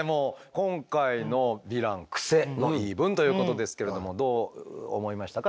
今回のヴィランクセの言い分ということですけれどもどう思いましたか？